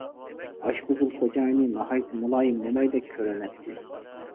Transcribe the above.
ئاشپۇزۇل خوجايىنى ناھايىتى مۇلايىم مومايدەك كۆرۈنەتتى.